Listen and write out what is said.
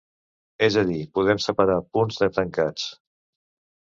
És a dir, podem separar punts de tancats.